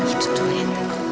itu tuh ya